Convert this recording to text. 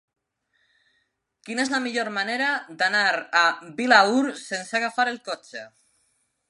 Quina és la millor manera d'anar a Vilaür sense agafar el cotxe?